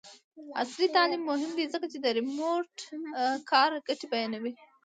عصري تعلیم مهم دی ځکه چې د ریموټ کار ګټې بیانوي.